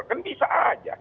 kan bisa aja